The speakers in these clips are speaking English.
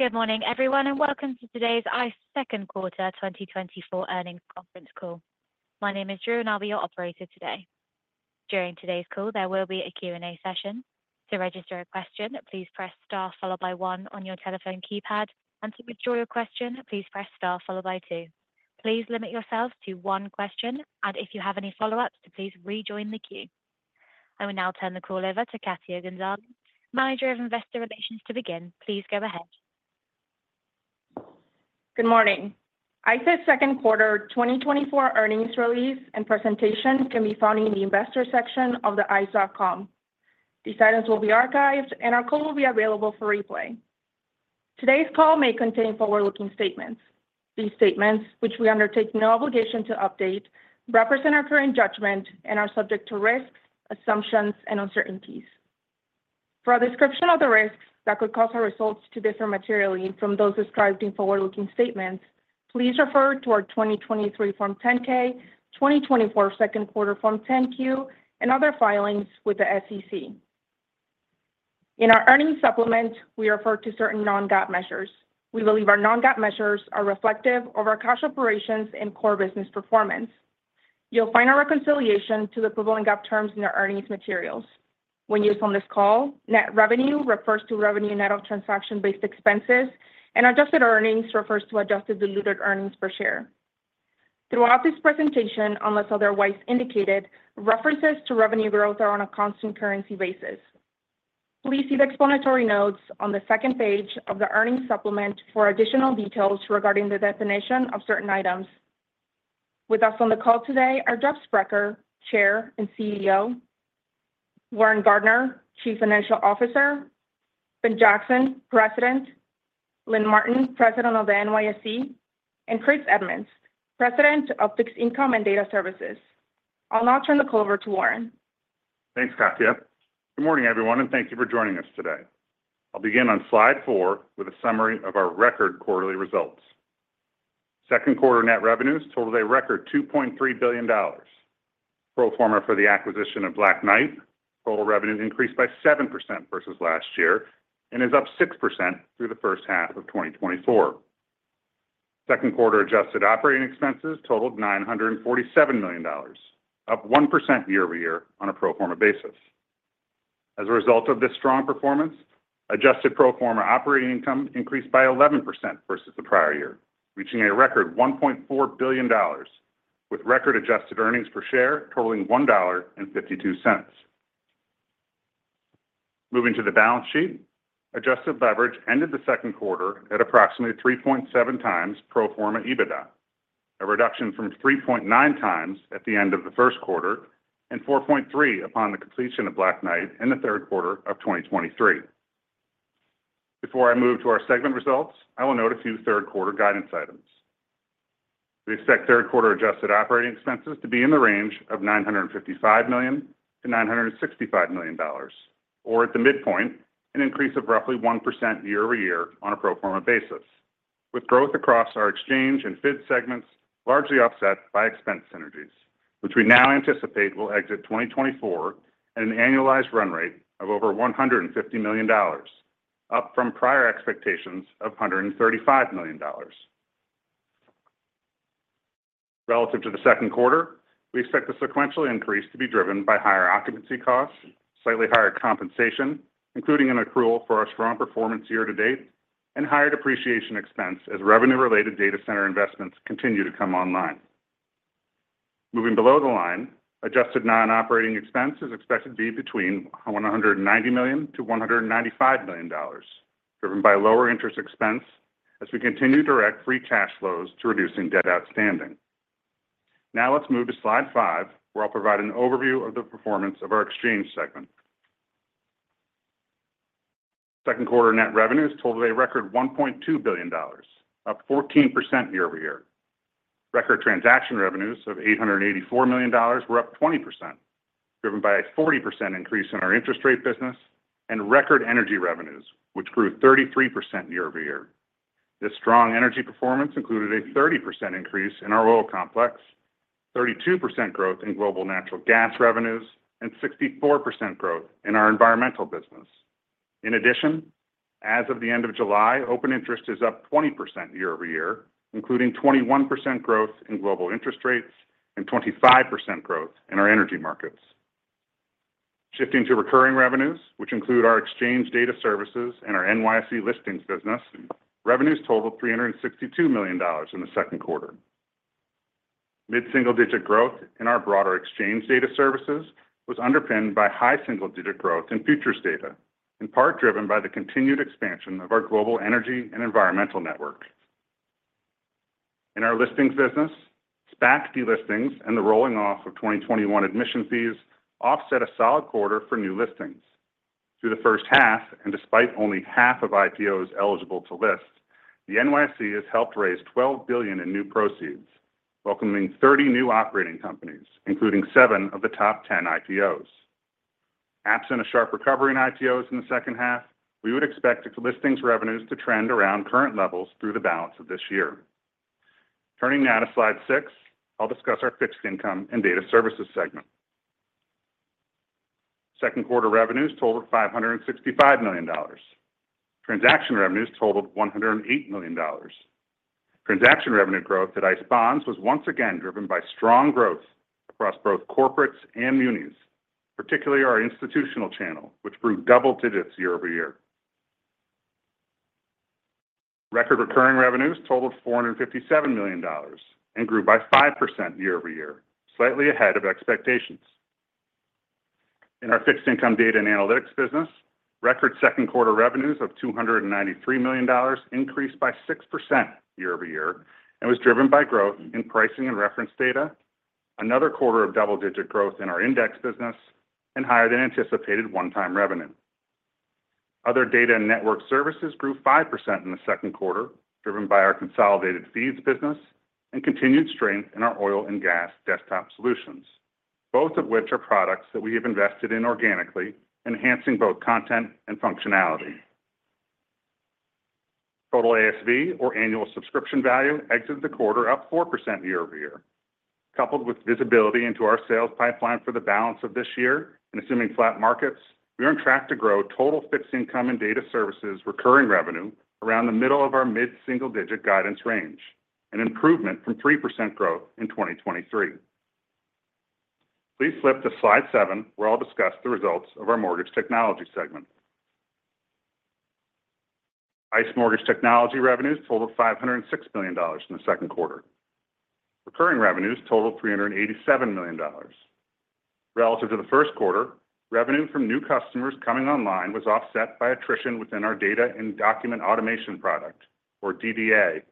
Good morning, everyone, and welcome to today's ICE Q2 2024 earnings Conference Call. My name is Drew, and I'll be your operator today. During today's call, there will be a Q&A session. To register a question, please press Star followed by 1 on your telephone keypad, and to withdraw your question, please press Star followed by 2. Please limit yourselves to one question, and if you have any follow-ups, please rejoin the queue. I will now turn the call over to Katia Gonzalez, Manager of Investor Relations, to begin. Please go ahead. Good morning. ICE's Q2 2024 earnings release and presentation can be found in the investor section of the theice.com.These items will be archived, and our call will be available for replay. Today's call may contain forward-looking statements. These statements, which we undertake no obligation to update, represent our current judgment and are subject to risks, assumptions, and uncertainties. For a description of the risks that could cause our results to differ materially from those described in forward-looking statements, please refer to our 2023 Form 10-K, 2024 Q2 Form 10-Q, and other filings with the SEC. In our earnings supplement, we refer to certain non-GAAP measures. We believe our non-GAAP measures are reflective of our cash operations and core business performance. You'll find our reconciliation to the equivalent GAAP terms in our earnings materials. When used on this call, net revenue refers to revenue net of transaction-based expenses, and adjusted earnings refers to adjusted diluted earnings per share. Throughout this presentation, unless otherwise indicated, references to revenue growth are on a constant currency basis. Please see the explanatory notes on the second page of the earnings supplement for additional details regarding the definition of certain items. With us on the call today are Jeffrey Sprecher, Chair and CEO, Warren Gardiner, Chief Financial Officer, Ben Jackson, President, Lynn Martin, President of the NYSE, and Christopher Edmonds, President of Fixed Income and Data Services. I'll now turn the call over to Warren. Thanks, Katia. Good morning, everyone, and thank you for joining us today. I'll begin on slide four with a summary of our record quarterly results. Q2 net revenues totaled a record $2.3 billion. Pro forma for the acquisition of Black Knight, total revenues increased by 7% versus last year and is up 6% through the first half of 2024. Q2 adjusted operating expenses totaled $947 million, up 1% year-over-year on a pro forma basis. As a result of this strong performance, adjusted pro forma operating income increased by 11% versus the prior year, reaching a record $1.4 billion, with record adjusted earnings per share totaling $1.52. Moving to the balance sheet, adjusted leverage ended the Q2 at approximately 3.7x pro forma EBITDA, a reduction from 3.9x at the end of the Q1 and 4.3x upon the completion of Black Knight in the Q3 of 2023. Before I move to our segment results, I will note a few Q3 guidance items. We expect Q3 adjusted operating expenses to be in the range of $955 million-$965 million, or at the midpoint, an increase of roughly 1% year-over-year on a pro forma basis, with growth across our exchange and FII segments, largely offset by expense synergies, which we now anticipate will exit 2024 at an annualized run rate of over $150 million, up from prior expectations of $135 million. Relative to the Q2, we expect the sequential increase to be driven by higher occupancy costs, slightly higher compensation, including an accrual for our strong performance year to date, and higher depreciation expense as revenue-related data center investments continue to come online. Moving below the line, adjusted non-operating expense is expected to be between $190 million and $195 million, driven by lower interest expense as we continue to direct free cash flows to reducing debt outstanding. Now, let's move to slide five, where I'll provide an overview of the performance of our exchange segment. Q2 net revenues totaled a record $1.2 billion, up 14% year-over-year. Record transaction revenues of $884 million were up 20%, driven by a 40% increase in our interest rate business and record energy revenues, which grew 33% year-over-year. This strong energy performance included a 30% increase in our oil complex, 32% growth in global natural gas revenues, and 64% growth in our environmental business. In addition, as of the end of July, open interest is up 20% year-over-year, including 21% growth in global interest rates and 25% growth in our energy markets. Shifting to recurring revenues, which include our exchange data services and our NYSE listings business, revenues totaled $362 million in the Q2. Mid-single-digit growth in our broader exchange data services was underpinned by high single-digit growth in futures data, in part driven by the continued expansion of our global energy and environmental network. In our listings business, SPAC delistings and the rolling off of 2021 admission fees offset a solid quarter for new listings. Through the first half, and despite only half of IPOs eligible to list, the NYSE has helped raise $12 billion in new proceeds, welcoming 30 new operating companies, including seven of the top 10 IPOs. Absent a sharp recovery in IPOs in the second half, we would expect the listings revenues to trend around current levels through the balance of this year. Turning now to slide 6, I'll discuss our Fixed Income and Data services segment. Q2 revenues totaled $565 million. Transaction revenues totaled $108 million. Transaction revenue growth at ICE Bonds was once again driven by strong growth across both corporates and munis, particularly our institutional channel, which grew double digits year-over-year. Record recurring revenues totaled $457 million and grew by 5% year-over-year, slightly ahead of expectations. In our fixed income data and analytics business, record Q2 revenues of $293 million increased by 6% year-over-year, and was driven by growth in pricing and reference data. Another quarter of double-digit growth in our index business and higher than anticipated one-time revenue. Other data and network services grew 5% in the Q2, driven by our consolidated feeds business and continued strength in our oil and gas desktop solutions, both of which are products that we have invested in organically, enhancing both content and functionality. Total ASV, or annual subscription value, exited the quarter up 4% year-over-year. Coupled with visibility into our sales pipeline for the balance of this year and assuming flat markets, we are on track to grow total Fixed Income and Data Services recurring revenue around the middle of our mid-single-digit guiDanielce range, an improvement from 3% growth in 2023. Please flip to slide 7, where I'll discuss the results of our mortgage technology segment. ICE Mortgage Technology revenues totaled $506 million in the Q2. Recurring revenues totaled $387 million. Relative to the Q1, revenue from new customers coming online was offset by attrition within our Data and Document Automation product, or DDA,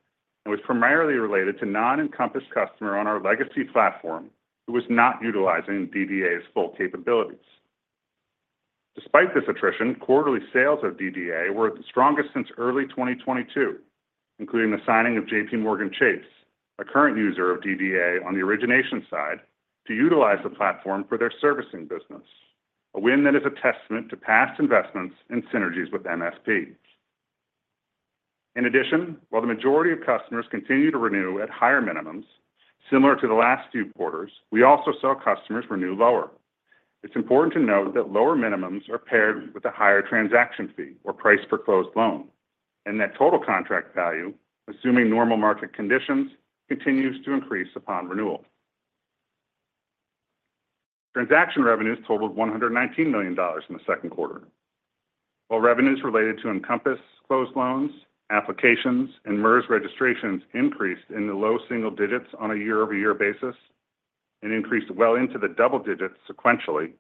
and was primarily related to non-Encompass customer on our legacy platform, who was not utilizing DDA's full capabilities. Despite this attrition, quarterly sales of DDA were the strongest since early 2022, including the signing of JPMorgan Chase, a current user of DDA on the origination side, to utilize the platform for their servicing business, a win that is a testament to past investments and synergies with MSP. In addition, while the majority of customers continue to renew at higher minimums, similar to the last two quarters, we also saw customers renew lower. It's important to note that lower minimums are paired with a higher transaction fee or price per closed loan, and that total contract value, assuming normal market conditions, continues to increase upon renewal. Transaction revenues totaled $119 million in the Q2, while revenues related to Encompass closed loans, applications, and MERS registrations increased in the low single digits on a year-over-year basis and increased well into the double digits sequentially.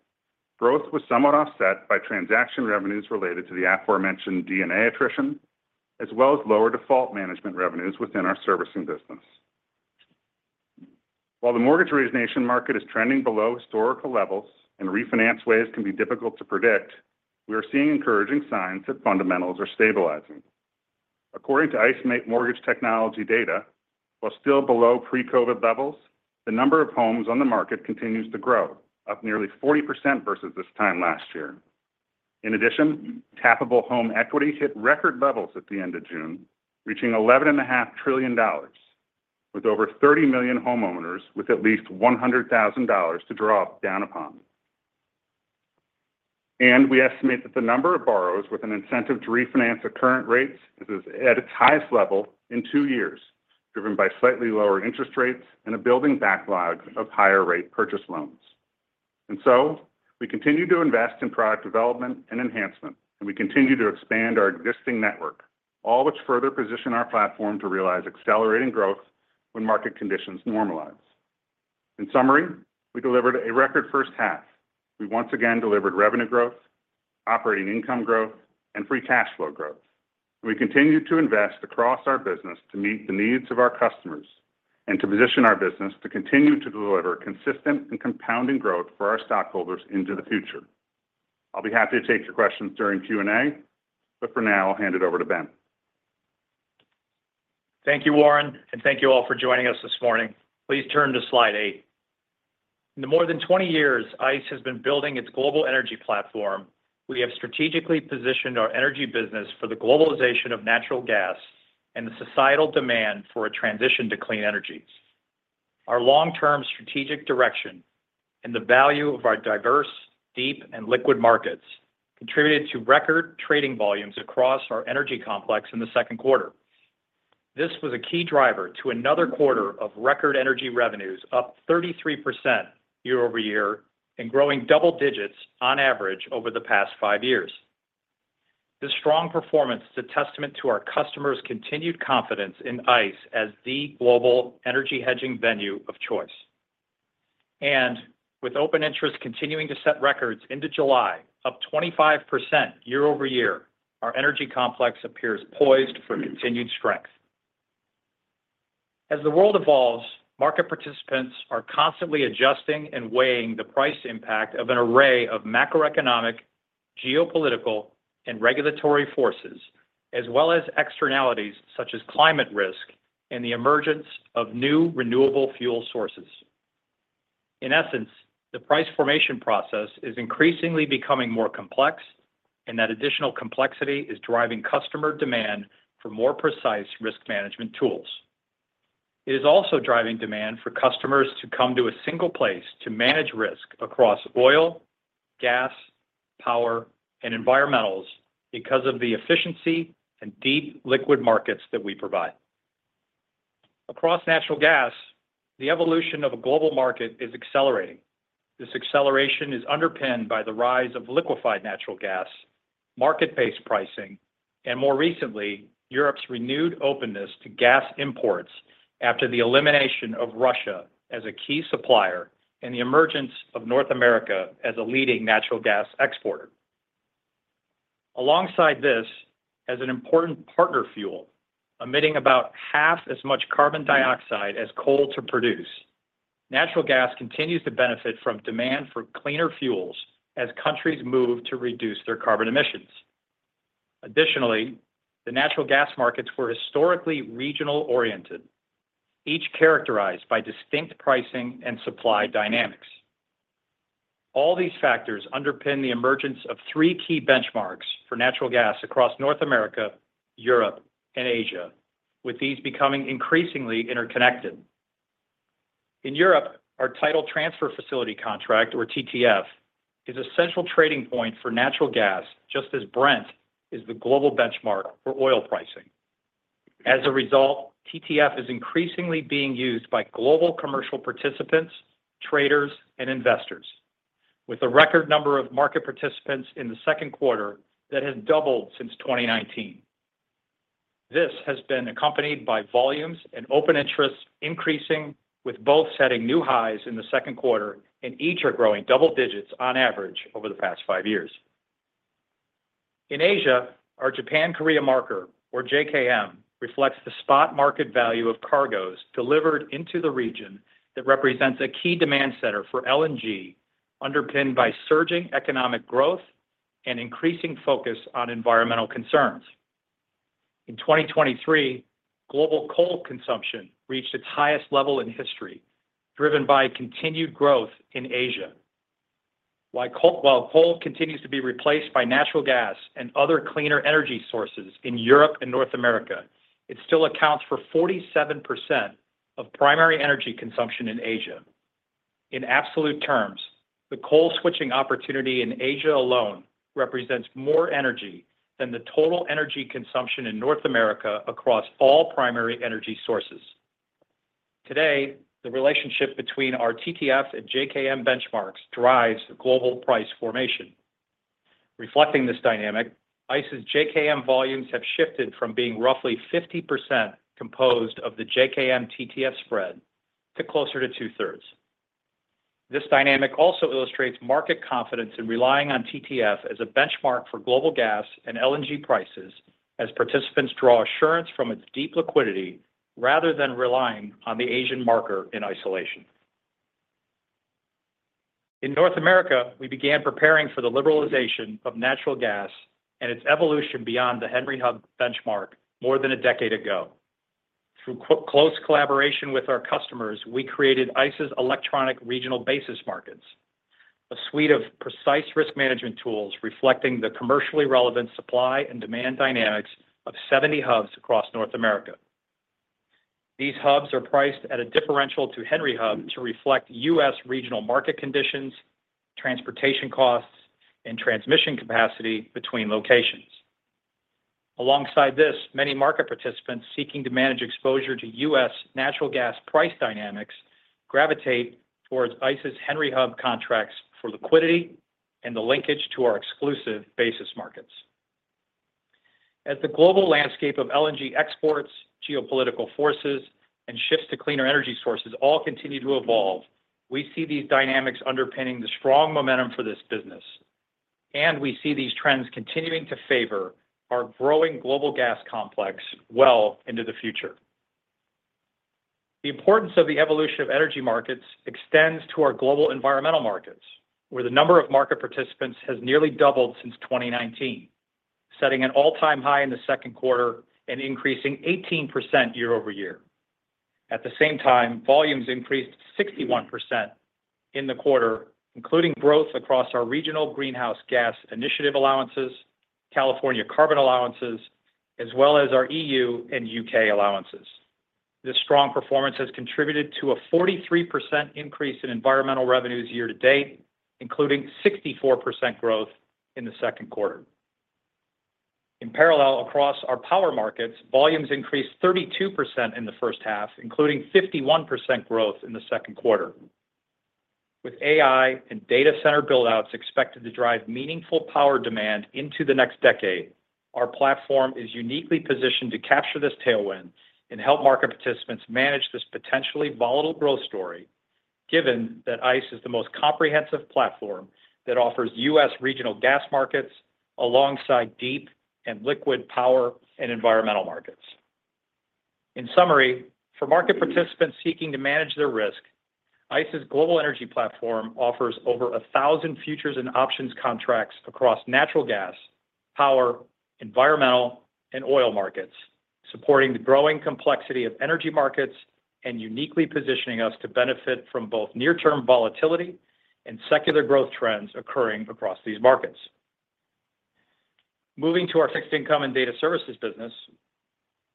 Growth was somewhat offset by transaction revenues related to the aforementioned DDA attrition, as well as lower default management revenues within our servicing business. While the mortgage origination market is trending below historical levels and refinance waves can be difficult to predict, we are seeing encouraging signs that fundamentals are stabilizing. According to ICE Mortgage Technology data, while still below pre-COVID levels, the number of homes on the market continues to grow, up nearly 40% versus this time last year. In addition, tappable home equity hit record levels at the end of June, reaching $11.5 trillion, with over 30 million homeowners with at least $100,000 to draw down upon. We estimate that the number of borrowers with an incentive to refinance at current rates is at its highest level in two years, driven by slightly lower interest rates and a building backlog of higher rate purchase loans. So we continue to invest in product development and enhancement, and we continue to expand our existing network, all which further position our platform to realize accelerating growth when market conditions normalize. In summary, we delivered a record first half. We once again delivered revenue growth, operating income growth, and free cash flow growth. We continue to invest across our business to meet the needs of our customers and to position our business to continue to deliver consistent and compounding growth for our stockholders into the future. I'll be happy to take your questions during Q&A, but for now, I'll hand it over to Ben. Thank you, Warren, and thank you all for joining us this morning. Please turn to slide 8. In the more than 20 years ICE has been building its global energy platform, we have strategically positioned our energy business for the globalization of natural gas and the societal demand for a transition to clean energies. Our long-term strategic direction and the value of our diverse, deep, and liquid markets contributed to record trading volumes across our energy complex in the Q2. This was a key driver to another quarter of record energy revenues, up 33% year-over-year and growing double digits on average over the past 5 years. This strong performance is a testament to our customers' continued confidence in ICE as the global energy hedging venue of choice. With open interest continuing to set records into July, up 25% year-over-year, our energy complex appears poised for continued strength. As the world evolves, market participants are constantly adjusting and weighing the price impact of an array of macroeconomic, geopolitical, and regulatory forces, as well as externalities such as climate risk and the emergence of new renewable fuel sources. In essence, the price formation process is increasingly becoming more complex, and that additional complexity is driving customer demand for more precise risk management tools. It is also driving demand for customers to come to a single place to manage risk across oil, gas, power, and environmentals because of the efficiency and deep liquid markets that we provide. Across natural gas, the evolution of a global market is accelerating. This acceleration is underpinned by the rise of liquefied natural gas, market-based pricing, and more recently, Europe's renewed openness to gas imports after the elimination of Russia as a key supplier and the emergence of North America as a leading natural gas exporter. Alongside this, as an important partner fuel, emitting about half as much carbon dioxide as coal to produce, natural gas continues to benefit from demand for cleaner fuels as countries move to reduce their carbon emissions. Additionally, the natural gas markets were historically regional-oriented, each characterized by distinct pricing and supply dynamics. All these factors underpin the emergence of three key benchmarks for natural gas across North America, Europe, and Asia, with these becoming increasingly interconnected. In Europe, our Title Transfer Facility contract, or TTF, is a central trading point for natural gas, just as Brent is the global benchmark for oil pricing. As a result, TTF is increasingly being used by global commercial participants, traders, and investors, with a record number of market participants in the Q2 that has doubled since 2019. This has been accompanied by volumes and open interests increasing, with both setting new highs in the Q2, and each are growing double digits on average over the past 5 years. In Asia, our Japan-Korea Marker, or JKM, reflects the spot market value of cargoes delivered into the region that represents a key demand center for LNG, underpinned by surging economic growth and increasing focus on environmental concerns. In 2023, global coal consumption reached its highest level in history, driven by continued growth in Asia. Why coal— While coal continues to be replaced by natural gas and other cleaner energy sources in Europe and North America, it still accounts for 47% of primary energy consumption in Asia. In absolute terms, the coal switching opportunity in Asia alone represents more energy than the total energy consumption in North America across all primary energy sources. Today, the relationship between our TTF and JKM benchmarks drives the global price formation. Reflecting this dynamic, ICE's JKM volumes have shifted from being roughly 50% composed of the JKM-TTF spread to closer to two-thirds. This dynamic also illustrates market confidence in relying on TTF as a benchmark for global gas and LNG prices, as participants draw assurance from its deep liquidity rather than relying on the Asian marker in isolation. In North America, we began preparing for the liberalization of natural gas and its evolution beyond the Henry Hub benchmark more than a decade ago. Through close collaboration with our customers, we created ICE's electronic regional basis markets, a suite of precise risk management tools reflecting the commercially relevant supply and demand dynamics of 70 hubs across North America. These hubs are priced at a differential to Henry Hub to reflect US regional market conditions, transportation costs, and transmission capacity between locations. Alongside this, many market participants seeking to manage exposure to US natural gas price dynamics gravitate towards ICE's Henry Hub contracts for liquidity and the linkage to our exclusive basis markets. As the global landscape of LNG exports, geopolitical forces, and shifts to cleaner energy sources all continue to evolve, we see these dynamics underpinning the strong momentum for this business, and we see these trends continuing to favor our growing global gas complex well into the future. The importance of the evolution of energy markets extends to our global environmental markets, where the number of market participants has nearly doubled since 2019, setting an all-time high in the Q2 and increasing 18% year over year. At the same time, volumes increased 61% in the quarter, including growth across our Regional Greenhouse Gas Initiative allowances, California carbon allowances, as well as our EU and UK allowances. This strong performance has contributed to a 43% increase in environmental revenues year to date, including 64% growth in the Q2. In parallel, across our power markets, volumes increased 32% in the first half, including 51% growth in the Q2. With AI and data center build-outs expected to drive meaningful power demand into the next decade, our platform is uniquely positioned to capture this tailwind and help market participants manage this potentially volatile growth story, given that ICE is the most comprehensive platform that offers U.S. regional gas markets alongside deep and liquid power and environmental markets. In summary, for market participants seeking to manage their risk, ICE's global energy platform offers over 1,000 futures and options contracts across natural gas, power, environmental, and oil markets, supporting the growing complexity of energy markets and uniquely positioning us to benefit from both near-term volatility and secular growth trends occurring across these markets.... Moving to our fixed income and data services business,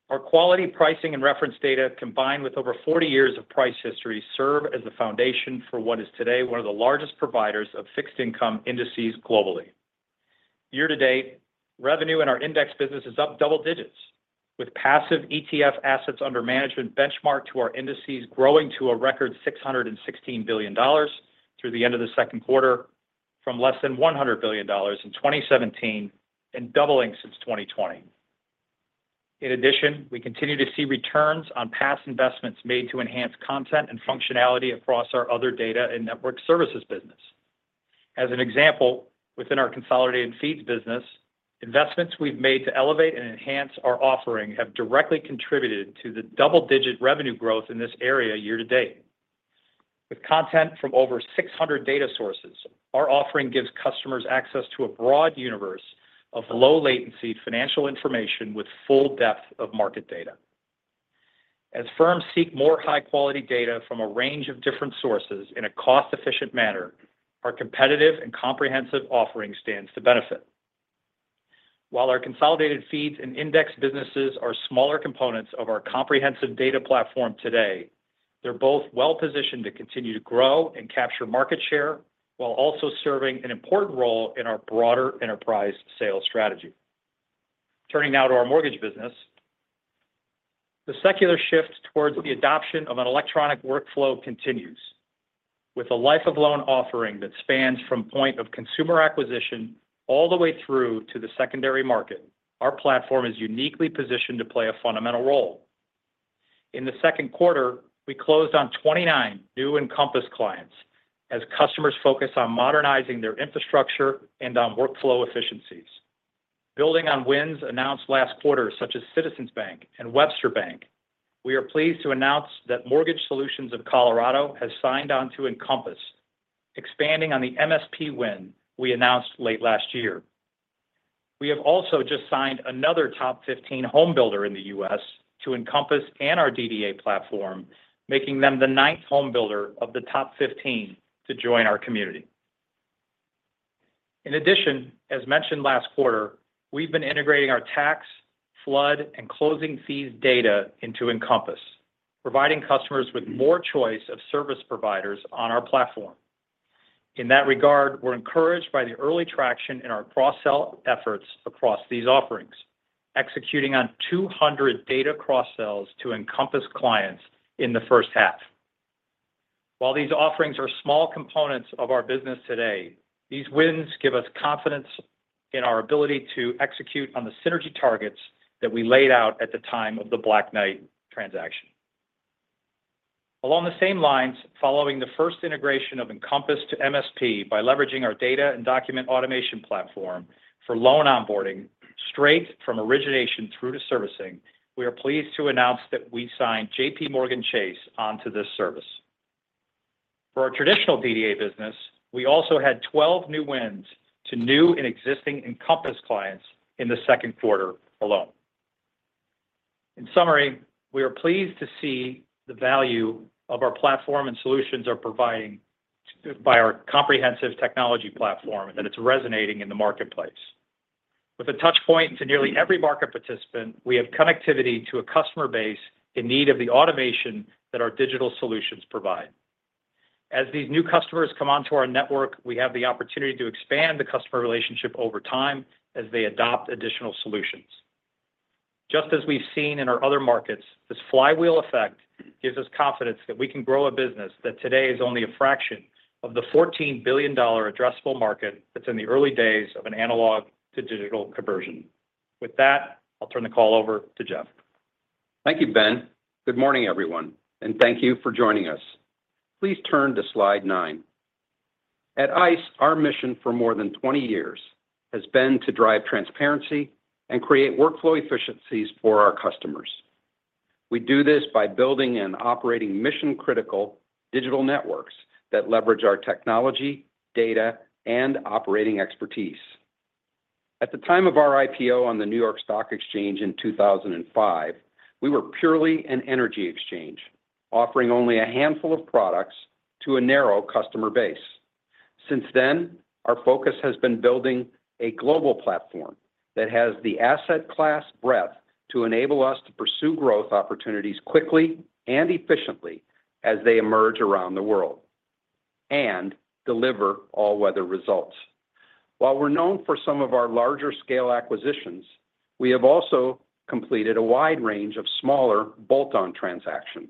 our quality pricing and reference data, combined with over 40 years of price history, serve as the foundation for what is today one of the largest providers of fixed-income indices globally. Year-to-date, revenue in our index business is up double digits, with passive ETF assets under management benchmarked to our indices growing to a record $616 billion through the end of the Q2, from less than $100 billion in 2017 and doubling since 2020. In addition, we continue to see returns on past investments made to enhance content and functionality across our other data and network services business. As an example, within our consolidated feeds business, investments we've made to elevate and enhance our offering have directly contributed to the double-digit revenue growth in this area year to date. With content from over 600 data sources, our offering gives customers access to a broad universe of low-latency financial information with full depth of market data. As firms seek more high-quality data from a range of different sources in a cost-efficient manner, our competitive and comprehensive offering stands to benefit. While our Consolidated Feeds and Index Business are smaller components of our comprehensive data platform today, they're both well-positioned to continue to grow and capture market share, while also serving an important role in our broader enterprise sales strategy. Turning now to our mortgage business. The secular shift towards the adoption of an electronic workflow continues. With a life-of-loan offering that spans from point of consumer acquisition all the way through to the secondary market, our platform is uniquely positioned to play a fundamental role. In the Q2, we closed on 29 new Encompass clients as customers focus on modernizing their infrastructure and on workflow efficiencies. Building on wins announced last quarter, such as Citizens Bank and Webster Bank, we are pleased to announce that Mortgage Solutions of Colorado has signed on to Encompass, expanding on the MSP win we announced late last year. We have also just signed another top 15 home builder in the U.S. to Encompass and our DDA platform, making them the ninth home builder of the top 15 to join our community. In addition, as mentioned last quarter, we've been integrating our tax, flood, and closing fees data into Encompass, providing customers with more choice of service providers on our platform. In that regard, we're encouraged by the early traction in our cross-sell efforts across these offerings, executing on 200 data cross-sells to Encompass clients in the first half. While these offerings are small components of our business today, these wins give us confidence in our ability to execute on the synergy targets that we laid out at the time of the Black Knight transaction. Along the same lines, following the first integration of Encompass to MSP by leveraging our data and document automation platform for loan onboarding straight from origination through to servicing, we are pleased to announce that we signed JPMorgan Chase onto this service. For our traditional DDA business, we also had 12 new wins to new and existing Encompass clients in the Q2 alone. In summary, we are pleased to see the value of our platform and solutions are providing by our comprehensive technology platform, and that it's resonating in the marketplace. With a touch point to nearly every market participant, we have connectivity to a customer base in need of the automation that our digital solutions provide. As these new customers come onto our network, we have the opportunity to expand the customer relationship over time as they adopt additional solutions. Just as we've seen in our other markets, this flywheel effect gives us confidence that we can grow a business that today is only a fraction of the $14 billion addressable market that's in the early days of an analog-to-digital conversion. With that, I'll turn the call over to Jeffrey. Thank you, Ben. Good morning, everyone, and thank you for joining us. Please turn to slide 9. At ICE, our mission for more than 20 years has been to drive transparency and create workflow efficiencies for our customers. We do this by building and operating mission-critical digital networks that leverage our technology, data, and operating expertise. At the time of our IPO on the New York Stock Exchange in 2005, we were purely an energy exchange, offering only a handful of products to a narrow customer base. Since then, our focus has been building a global platform that has the asset class breadth to enable us to pursue growth opportunities quickly and efficiently as they emerge around the world, and deliver all-weather results. While we're known for some of our larger-scale acquisitions, we have also completed a wide range of smaller bolt-on transactions.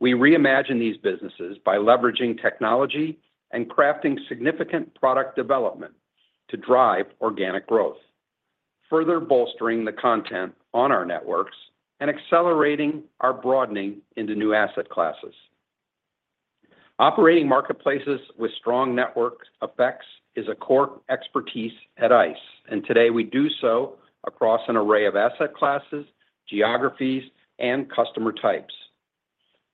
We reimagine these businesses by leveraging technology and crafting significant product development to drive organic growth, further bolstering the content on our networks and accelerating our broadening into new asset classes. Operating marketplaces with strong network effects is a core expertise at ICE, and today we do so across an array of asset classes, geographies, and customer types.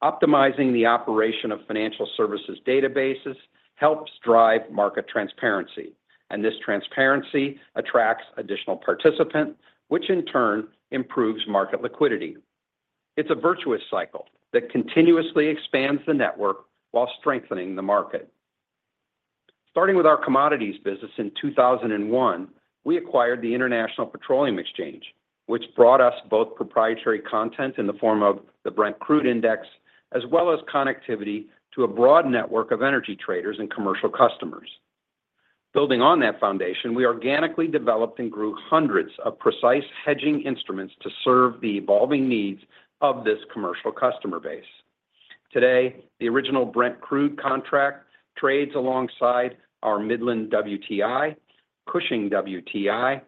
Optimizing the operation of financial services databases helps drive market transparency, and this transparency attracts additional participants, which in turn improves market liquidity.... It's a virtuous cycle that continuously expands the network while strengthening the market. Starting with our commodities business in 2001, we acquired the International Petroleum Exchange, which brought us both proprietary content in the form of the Brent Crude Index, as well as connectivity to a broad network of energy traders and commercial customers. Building on that foundation, we organically developed and grew hundreds of precise hedging instruments to serve the evolving needs of this commercial customer base. Today, the original Brent Crude contract trades alongside our Midland WTI, Cushing WTI,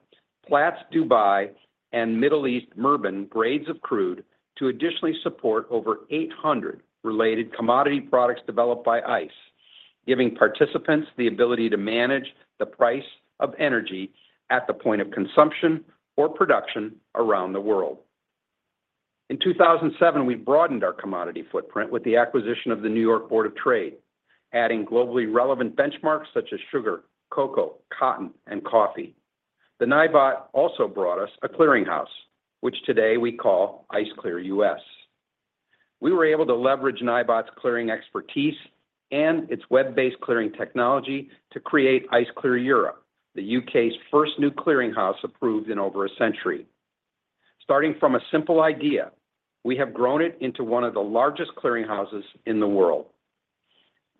Platts Dubai, and Middle East Murban grades of crude to additionally support over 800 related commodity products developed by ICE, giving participants the ability to manage the price of energy at the point of consumption or production around the world. In 2007, we broadened our commodity footprint with the acquisition of the New York Board of Trade, adding globally relevant benchmarks such as sugar, cocoa, cotton, and coffee. The NYBOT also brought us a clearinghouse, which today we call ICE Clear US. We were able to leverage NYBOT's clearing expertise and its web-based clearing technology to create ICE Clear Europe, the UK's first new clearinghouse approved in over a century. Starting from a simple idea, we have grown it into one of the largest clearinghouses in the world.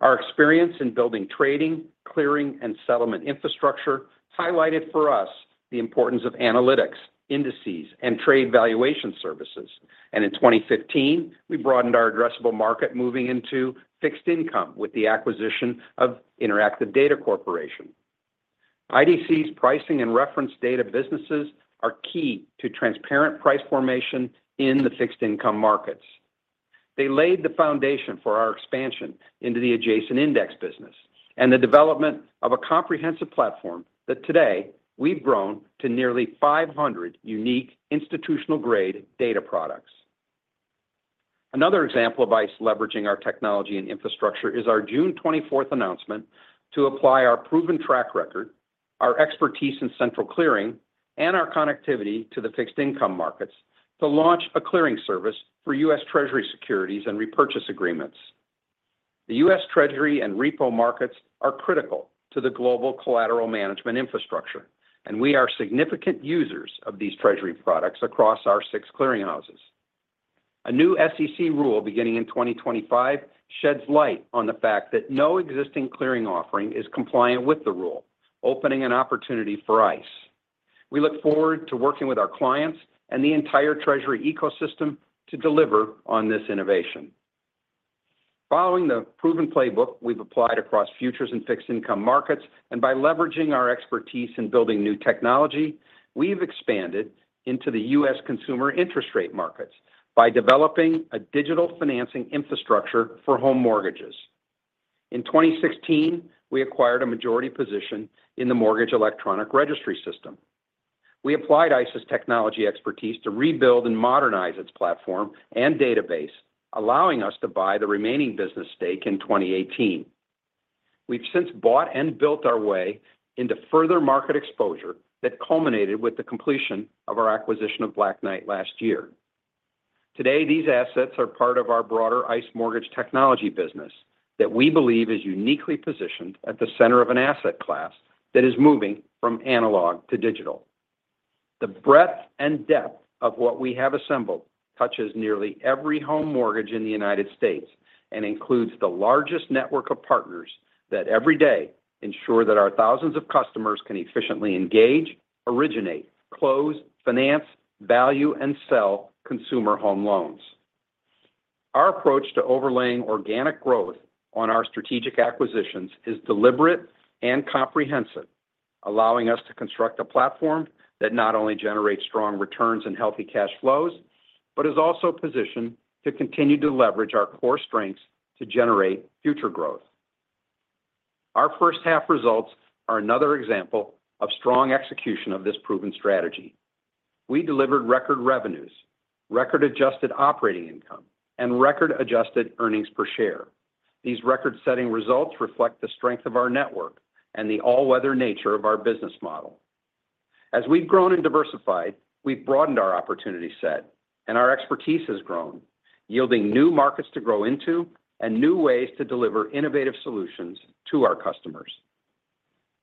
Our experience in building trading, clearing, and settlement infrastructure highlighted for us the importance of analytics, indices, and trade valuation services. In 2015, we broadened our addressable market, moving into fixed income with the acquisition of Interactive Data Corporation. IDC's pricing and reference data businesses are key to transparent price formation in the fixed income markets. They laid the foundation for our expansion into the adjacent index business and the development of a comprehensive platform that today we've grown to nearly 500 unique institutional-grade data products. Another example of ICE leveraging our technology and infrastructure is our June 24th announcement to apply our proven track record, our expertise in central clearing, and our connectivity to the fixed income markets to launch a clearing service for U.S. Treasury securities and repurchase agreements. The U.S. Treasury and repo markets are critical to the global collateral management infrastructure, and we are significant users of these treasury products across our six clearinghouses. A new SEC rule, beginning in 2025, sheds light on the fact that no existing clearing offering is compliant with the rule, opening an opportunity for ICE. We look forward to working with our clients and the entire treasury ecosystem to deliver on this innovation. Following the proven playbook we've applied across futures and fixed income markets, and by leveraging our expertise in building new technology, we've expanded into the US consumer interest rate markets by developing a digital financing infrastructure for home mortgages. In 2016, we acquired a majority position in the Mortgage Electronic Registration Systems. We applied ICE's technology expertise to rebuild and modernize its platform and database, allowing us to buy the remaining business stake in 2018. We've since bought and built our way into further market exposure that culminated with the completion of our acquisition of Black Knight last year. Today, these assets are part of our broader ICE Mortgage Technology business that we believe is uniquely positioned at the center of an asset class that is moving from analog to digital. The breadth and depth of what we have assembled touches nearly every home mortgage in the United States and includes the largest network of partners that every day ensure that our thousands of customers can efficiently engage, originate, close, finance, value, and sell consumer home loans. Our approach to overlaying organic growth on our strategic acquisitions is deliberate and comprehensive, allowing us to construct a platform that not only generates strong returns and healthy cash flows, but is also positioned to continue to leverage our core strengths to generate future growth. Our first half results are another example of strong execution of this proven strategy. We delivered record revenues, record adjusted operating income, and record adjusted earnings per share. These record-setting results reflect the strength of our network and the all-weather nature of our business model. As we've grown and diversified, we've broadened our opportunity set, and our expertise has grown, yielding new markets to grow into and new ways to deliver innovative solutions to our customers.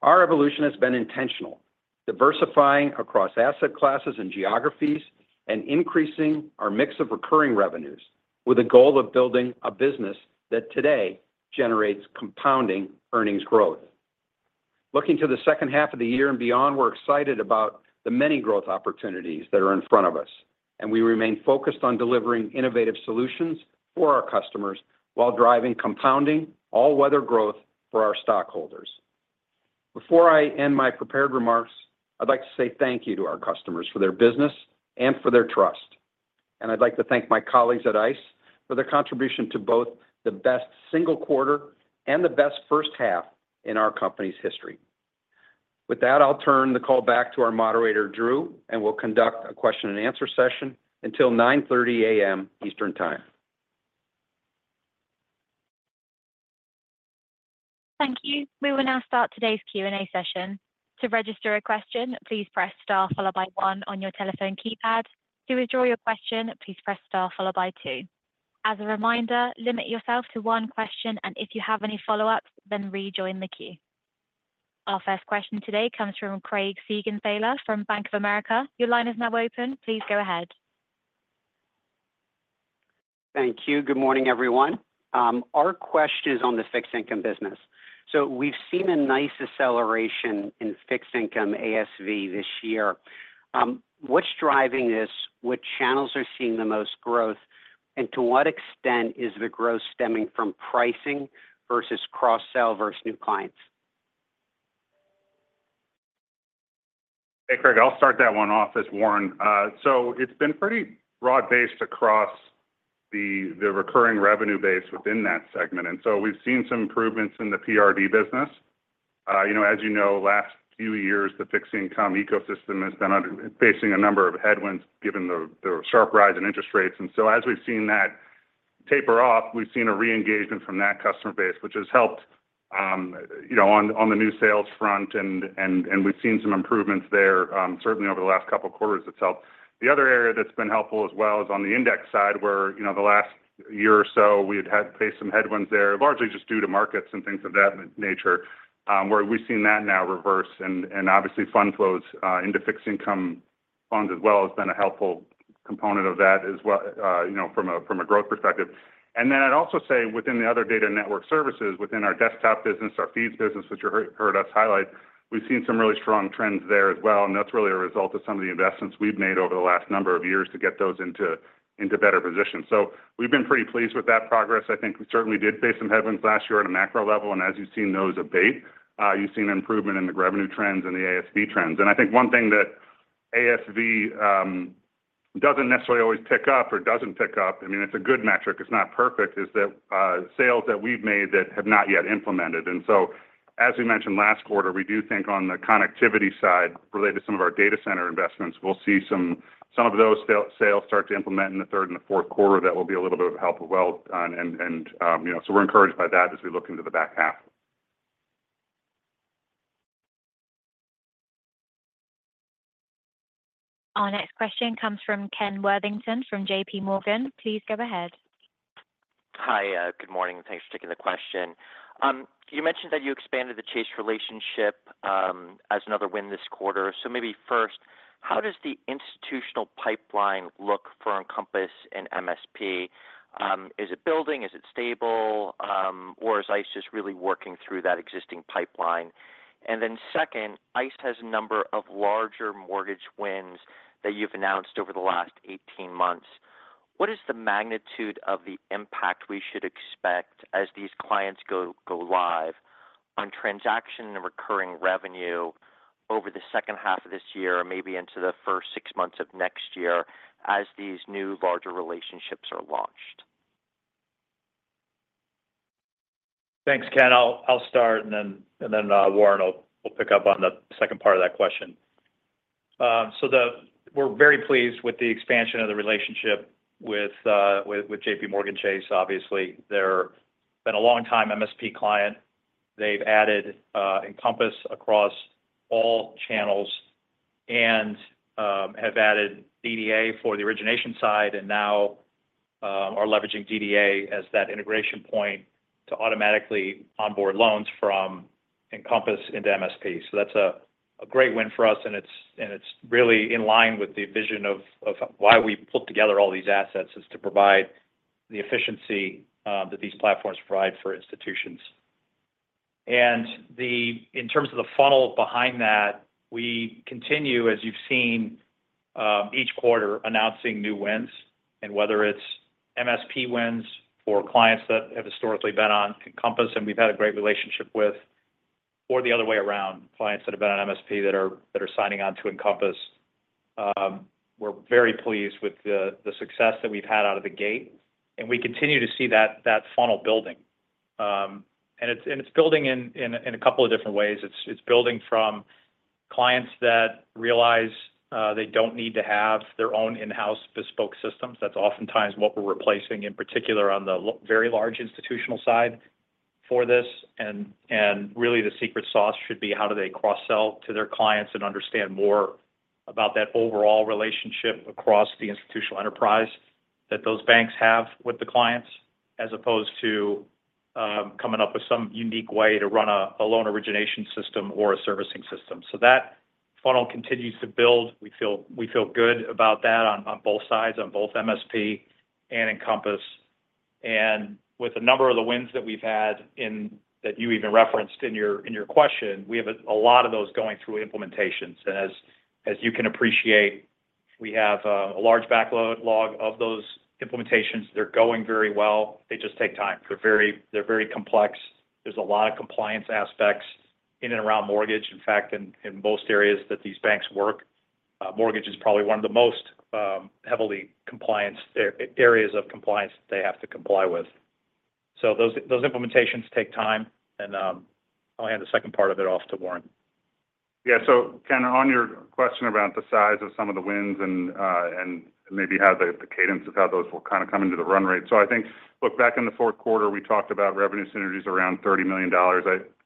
Our evolution has been intentional, diversifying across asset classes and geographies, and increasing our mix of recurring revenues with a goal of building a business that today generates compounding earnings growth. Looking to the second half of the year and beyond, we're excited about the many growth opportunities that are in front of us, and we remain focused on delivering innovative solutions for our customers while driving, compounding all-weather growth for our stockholders. Before I end my prepared remarks, I'd like to say thank you to our customers for their business and for their trust, and I'd like to thank my colleagues at ICE for their contribution to both the best single quarter and the best first half in our company's history. With that, I'll turn the call back to our moderator, Drew, and we'll conduct a question and answer session until 9:30 A.M. Eastern Time.... Thank you. We will now start today's Q&A session. To register a question, please press Star followed by one on your telephone keypad. To withdraw your question, please press Star followed by two. As a reminder, limit yourself to one question, and if you have any follow-ups, then rejoin the queue. Our first question today comes from Craig Siegenthaler from Bank of America. Your line is now open. Please go ahead. Thank you. Good morning, everyone. Our question is on the Fixed Income business. So we've seen a nice acceleration in Fixed Income ASV this year. What's driving this? Which channels are seeing the most growth? And to what extent is the growth stemming from pricing versus cross-sell versus new clients? Hey, Craig, I'll start that one off as Warren. So it's been pretty broad-based across the recurring revenue base within that segment. And so we've seen some improvements in the PRD business. You know, as you know, last few years, the fixed income ecosystem has been facing a number of headwinds, given the sharp rise in interest rates. And so as we've seen that taper off, we've seen a reengagement from that customer base, which has helped, you know, on the new sales front, and we've seen some improvements there, certainly over the last couple of quarters itself. The other area that's been helpful as well is on the index side, where, you know, the last year or so, we had had faced some headwinds there, largely just due to markets and things of that nature, where we've seen that now reverse, and obviously, fund flows into fixed income funds as well has been a helpful component of that as well, you know, from a growth perspective. And then I'd also say within the other data network services, within our desktop business, our feeds business, which you heard us highlight, we've seen some really strong trends there as well, and that's really a result of some of the investments we've made over the last number of years to get those into better positions. So we've been pretty pleased with that progress. I think we certainly did face some headwinds last year at a macro level, and as you've seen those abate, you've seen an improvement in the revenue trends and the ASV trends. And I think one thing that ASV doesn't necessarily always pick up or doesn't pick up, I mean, it's a good metric, it's not perfect, is that sales that we've made that have not yet implemented. And so, as we mentioned last quarter, we do think on the connectivity side, related to some of our data center investments, we'll see some of those sales start to implement in the third and the Q4. That will be a little bit of help as well. And you know, so we're encouraged by that as we look into the back half. Our next question comes from Kenneth Worthington, from JPMorgan. Please go ahead. Hi, good morning, and thanks for taking the question. You mentioned that you expanded the Chase relationship, as another win this quarter. So maybe first, how does the institutional pipeline look for Encompass and MSP? Is it building, is it stable, or is ICE just really working through that existing pipeline? And then second, ICE has a number of larger mortgage wins that you've announced over the last 18 months. What is the magnitude of the impact we should expect as these clients go live on transaction and recurring revenue over the second half of this year, or maybe into the first six months of next year as these new larger relationships are launched? Thanks, Kenneth. I'll start, and then Warren will pick up on the second part of that question. So we're very pleased with the expansion of the relationship with JPMorgan Chase. Obviously, they're been a long-time MSP client. They've added Encompass across all channels and have added DDA for the origination side, and now are leveraging DDA as that integration point to automatically onboard loans from Encompass into MSP. So that's a great win for us, and it's really in line with the vision of why we pulled together all these assets, is to provide the efficiency that these platforms provide for institutions. In terms of the funnel behind that, we continue, as you've seen, each quarter, announcing new wins, and whether it's MSP wins or clients that have historically been on Encompass, and we've had a great relationship with, or the other way around, clients that have been on MSP that are, that are signing on to Encompass. We're very pleased with the, the success that we've had out of the gate, and we continue to see that, that funnel building. And it's, and it's building in, in, in a couple of different ways. It's, it's building from clients that realize, they don't need to have their own in-house bespoke systems. That's oftentimes what we're replacing, in particular, on the very large institutional side for this. and really, the secret sauce should be how do they cross-sell to their clients and understand more about that overall relationship across the institutional enterprise that those banks have with the clients, as opposed to coming up with some unique way to run a loan origination system or a servicing system. So that funnel continues to build. We feel good about that on both sides, on both MSP and Encompass. And with a number of the wins that we've had in that you even referenced in your question, we have a lot of those going through implementations. And as you can appreciate, we have a large backlog of those implementations. They're going very well. They just take time. They're very complex. There's a lot of compliance aspects in and around mortgage. In fact, in most areas that these banks work, mortgage is probably one of the most heavily compliance areas of compliance they have to comply with. So those implementations take time, and I'll hand the second part of it off to Warren.... Yeah. So Kenneth, on your question around the size of some of the wins and maybe how the cadence of how those will kind of come into the run rate. So I think, look, back in the Q4, we talked about revenue synergies around $30 million.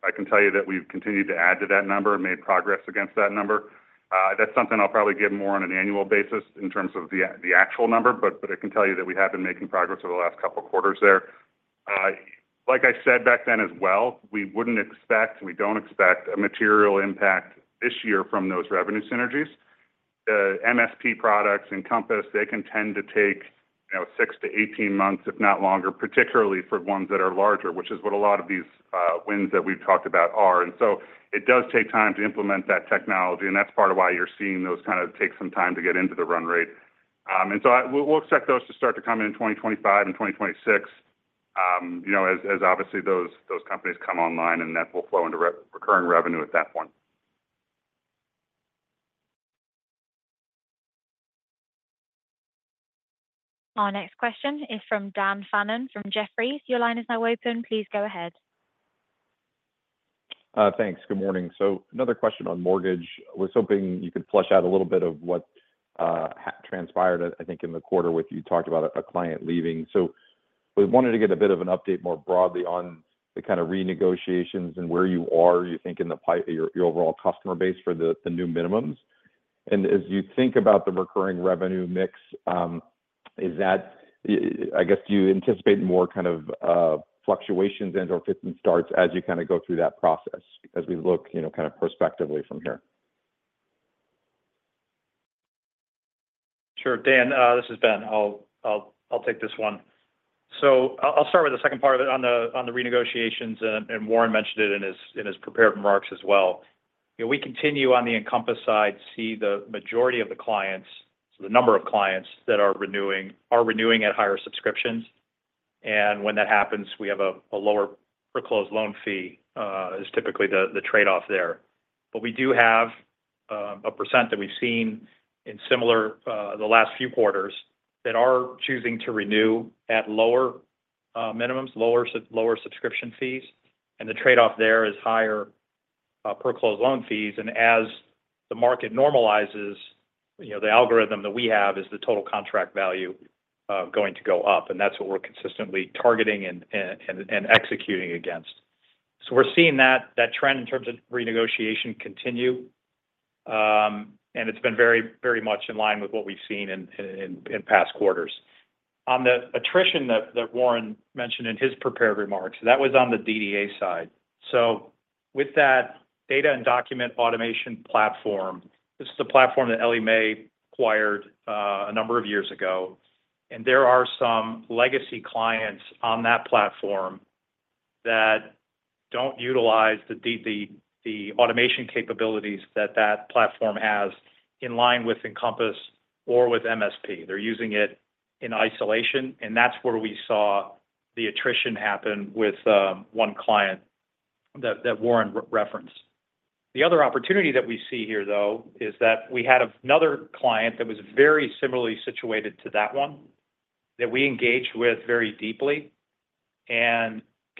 I can tell you that we've continued to add to that number and made progress against that number. That's something I'll probably give more on an annual basis in terms of the actual number, but I can tell you that we have been making progress over the last couple of quarters there. Like I said back then as well, we wouldn't expect, and we don't expect a material impact this year from those revenue synergies. The MSP products Encompass, they can tend to take, you know, 6-18 months, if not longer, particularly for ones that are larger, which is what a lot of these wins that we've talked about are. And so it does take time to implement that technology, and that's part of why you're seeing those kind of take some time to get into the run rate. And so we'll, we'll expect those to start to come in in 2025 and 2026, you know, as, as obviously, those, those companies come online, and that will flow into recurring revenue at that point. Our next question is from Daniel Fannon from Jefferies. Your line is now open. Please go ahead. Thanks. Good morning. So another question on mortgage. I was hoping you could flesh out a little bit of what transpired, I think, in the quarter with you talked about a client leaving. So we wanted to get a bit of an update more broadly on the kind of renegotiations and where you are, you think, in your overall customer base for the new minimums. And as you think about the recurring revenue mix, I guess, do you anticipate more kind of fluctuations and/or fits and starts as you kind of go through that process as we look, you know, kind of prospectively from here? Sure, Daniel, this is Ben. I'll take this one. So I'll start with the second part of it on the renegotiations, and Warren mentioned it in his prepared remarks as well. You know, we continue on the Encompass side, see the majority of the clients, so the number of clients that are renewing are renewing at higher subscriptions. And when that happens, we have a lower per closed loan fee is typically the trade-off there. But we do have a percent that we've seen in similar the last few quarters that are choosing to renew at lower minimums, lower subscription fees, and the trade-off there is higher per closed loan fees. As the market normalizes, you know, the algorithm that we have is the total contract value going to go up, and that's what we're consistently targeting and executing against. So we're seeing that trend in terms of renegotiation continue, and it's been very much in line with what we've seen in past quarters. On the attrition that Warren mentioned in his prepared remarks, that was on the DDA side. So with that Data and Document Automation platform, this is the platform that Ellie Mae acquired a number of years ago, and there are some legacy clients on that platform that don't utilize the automation capabilities that that platform has in line with Encompass or with MSP. They're using it in isolation, and that's where we saw the attrition happen with one client that Warren referenced. The other opportunity that we see here, though, is that we had another client that was very similarly situated to that one, that we engaged with very deeply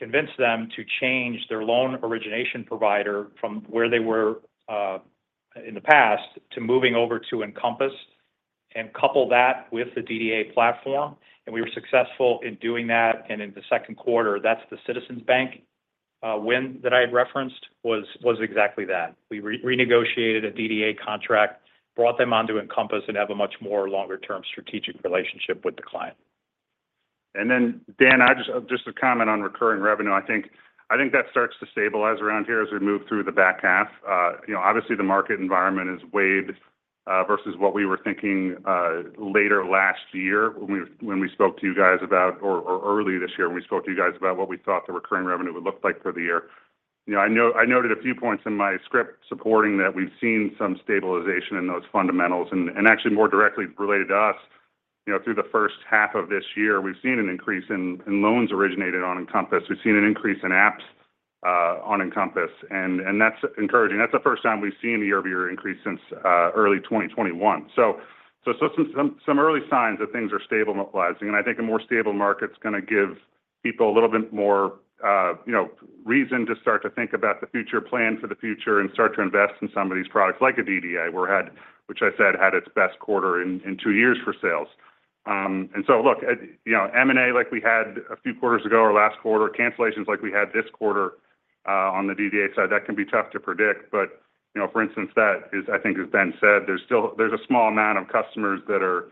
and convinced them to change their loan origination provider from where they were in the past, to moving over to Encompass and couple that with the DDA platform, and we were successful in doing that. And in the Q2, that's the Citizens Bank win that I had referenced, was exactly that. We renegotiated a DDA contract, brought them onto Encompass, and have a much more longer-term strategic relationship with the client. Then, Daniel, just a comment on recurring revenue. I think that starts to stabilize around here as we move through the back half. You know, obviously, the market environment is worse versus what we were thinking later last year, when we spoke to you guys about or early this year, when we spoke to you guys about what we thought the recurring revenue would look like for the year. You know, I noted a few points in my script supporting that we've seen some stabilization in those fundamentals, and actually more directly related to us. You know, through the first half of this year, we've seen an increase in loans originated on Encompass. We've seen an increase in apps on Encompass, and that's encouraging. That's the first time we've seen a year-over-year increase since early 2021. So some early signs that things are stabilizing, and I think a more stable market is going to give people a little bit more, you know, reason to start to think about the future, plan for the future, and start to invest in some of these products, like a DDA, which I said, had its best quarter in two years for sales. And so look, you know, M&A, like we had a few quarters ago or last quarter, cancellations like we had this quarter, on the DDA side, that can be tough to predict. But, you know, for instance, that is. I think, as Ben said, there's still a small amount of customers that are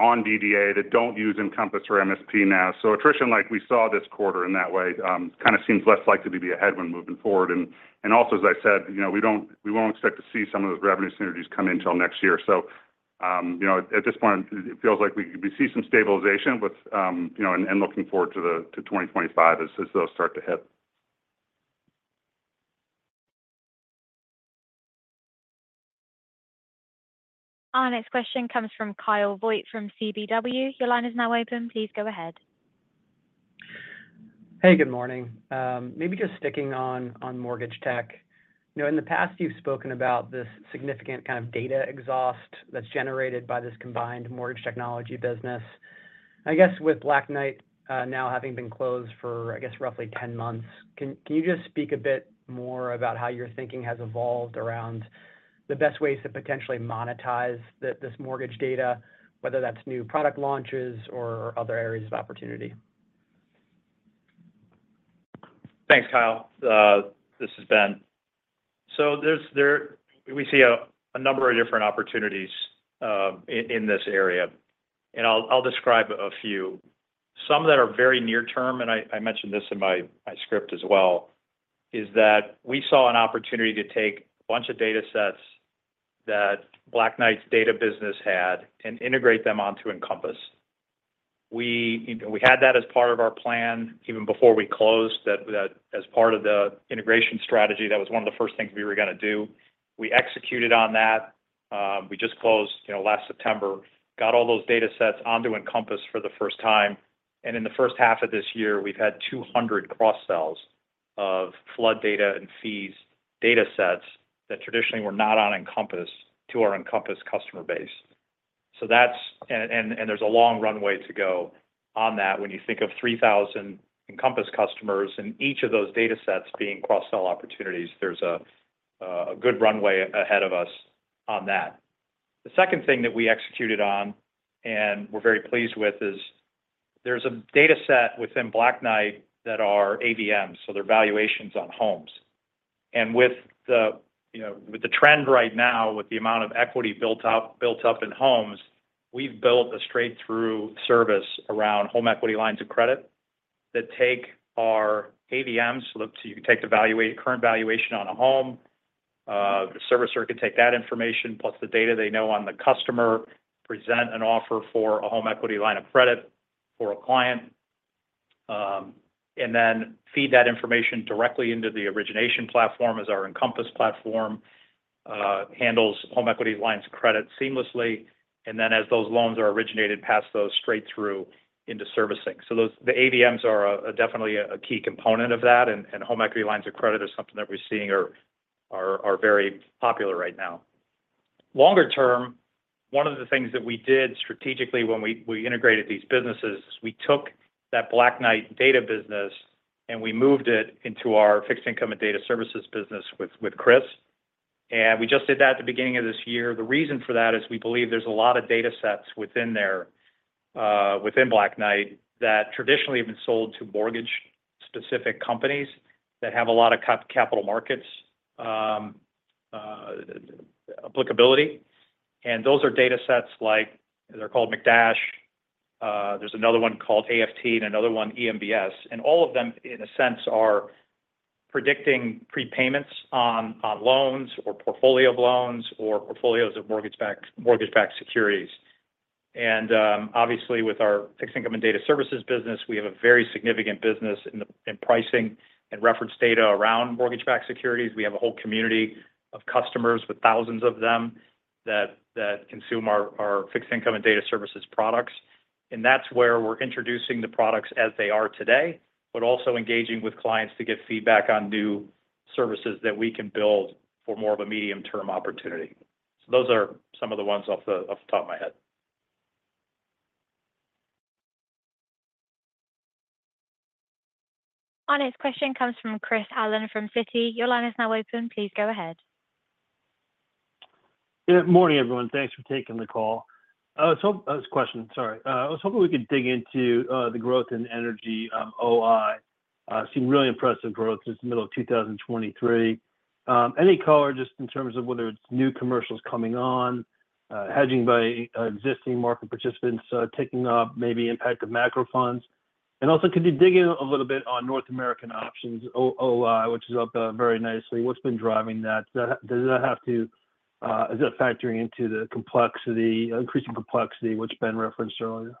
on DDA, that don't use Encompass or MSP now. So attrition, like we saw this quarter in that way, kind of seems less likely to be a headwind moving forward. And also, as I said, you know, we won't expect to see some of those revenue synergies come in until next year. So, you know, at this point, it feels like we see some stabilization with, you know, and looking forward to 2025 as those start to hit. Our next question comes from Kyle Voigt from KBW. Your line is now open. Please go ahead. Hey, good morning. Maybe just sticking on mortgage tech. You know, in the past, you've spoKenneth about this significant kind of data exhaust that's generated by this combined mortgage technology business. I guess with Black Knight now having been closed for, I guess, roughly 10 months, can you just speak a bit more about how your thinking has evolved around the best ways to potentially monetize this mortgage data, whether that's new product launches or other areas of opportunity? Thanks, Kyle. This is Ben. So there's we see a number of different opportunities in this area, and I'll describe a few. Some that are very near term, and I mentioned this in my script as well, is that we saw an opportunity to take a bunch of datasets that Black Knight's data business had and integrate them onto Encompass. We, you know, we had that as part of our plan even before we closed that as part of the integration strategy, that was one of the first things we were gonna do. We executed on that. We just closed, you know, last September, got all those datasets onto Encompass for the first time, and in the first half of this year, we've had 200 cross sells of flood data and fees datasets that traditionally were not on Encompass to our Encompass customer base. So that's – and there's a long runway to go on that when you think of 3,000 Encompass customers, and each of those datasets being cross-sell opportunities, there's a good runway ahead of us on that. The second thing that we executed on, and we're very pleased with, is there's a dataset within Black Knight that are AVMs, so they're valuations on homes. With the, you know, with the trend right now, with the amount of equity built up in homes, we've built a straight-through service around home equity lines of credit that take our AVMs, so you take the current valuation on a home, the servicer can take that information, plus the data they know on the customer, present an offer for a home equity line of credit for a client, and then feed that information directly into the origination platform as our Encompass platform handles home equity lines of credit seamlessly, and then as those loans are originated, pass those straight through into servicing. So the AVMs are definitely a key component of that, and home equity lines of credit is something that we're seeing are very popular right now. Longer term, one of the things that we did strategically when we integrated these businesses is we took that Black Knight data business, and we moved it into our fixed income and data services business with Christopher, and we just did that at the beginning of this year. The reason for that is we believe there's a lot of datasets within there within Black Knight that traditionally have been sold to mortgage-specific companies that have a lot of capital markets applicability. And those are datasets like, they're called McDash. There's another one called AFT and another one eMBS, and all of them, in a sense, are predicting prepayments on loans or portfolio of loans or portfolios of mortgage-backed securities. Obviously, with our fixed income and data services business, we have a very significant business in Pricing and Reference Data around mortgage-backed securities. We have a whole community of customers, with thousands of them, that consume our fixed income and data services products. That's where we're introducing the products as they are today, but also engaging with clients to get feedback on new services that we can build for more of a medium-term opportunity. Those are some of the ones off the top of my head. Our next question comes from Christopher Allen from Citi. Your line is now open. Please go ahead. Good morning, everyone. Thanks for taking the call. I was hoping we could dig into the growth in energy OI. Seemed really impressive growth since the middle of 2023. Any color, just in terms of whether it's new commercials coming on, hedging by existing market participants ticking up, maybe impact of macro funds? And also, could you dig in a little bit on North American options OI, which is up very nicely. What's been driving that? Does that have to... Is that factoring into the complexity, increasing complexity, which been referenced earlier?